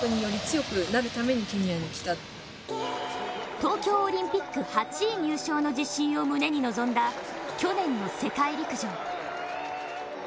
田中希実東京オリンピック８位入賞の自信を胸に挑んだ世界陸上。